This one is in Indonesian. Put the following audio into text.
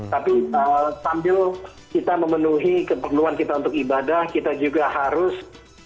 tapi sambil kita memenuhi keperluan kita untuk ibadah kita juga harus